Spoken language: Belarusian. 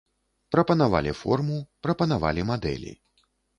Прапанавалі форму, прапанавалі мадэлі.